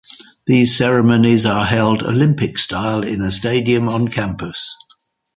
These ceremonies are held Olympics style in a stadium on campus.